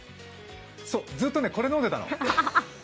そう、ずっとこれ飲んでたの。